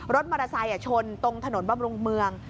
รถมอเตอร์ไซค์ชนตรงถนนบำรุงเมือง